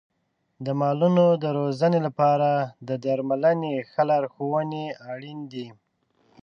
د مالونو د روزنې لپاره د درملنې ښه لارښونې اړین دي.